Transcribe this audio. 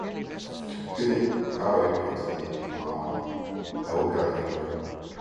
Spontaneous Speech datasets will be continuing our tradition of offering copyright free speech data.